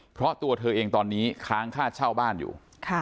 เพราะตัวเธอเองตอนนี้ค้างค่าเช่าบ้านอยู่